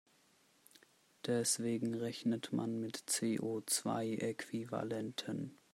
Deswegen rechnet man mit CO-zwei-Äquivalenten.